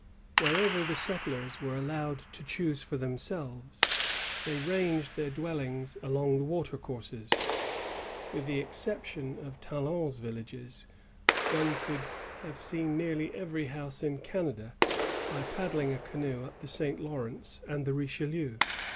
^ Wherever the settlers were allowed to choose for themselves, they ranged their dwellings along the watercourses. With the excep tion of Talon's villages, one could have seen nearly every house in Canada, by paddling a canoe up the St. Lawrence and the Richelieu.